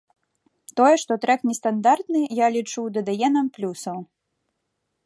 Тое, што трэк нестандартны, я лічу, дадае нам плюсаў.